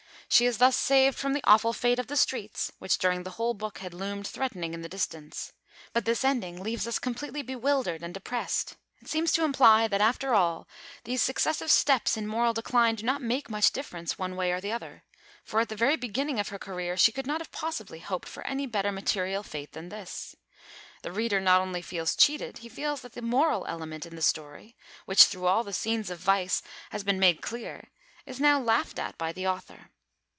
She is thus saved from the awful fate of the streets, which during the whole book had loomed threatening in the distance. But this ending leaves us completely bewildered and depressed. It seems to imply that, after all, these successive steps in moral decline do not make much difference, one way or the other; for at the very beginning of her career she could not possibly have hoped for any better material fate than this. The reader not only feels cheated; he feels that the moral element in the story, which through all the scenes of vice has been made clear, is now laughed at by the author.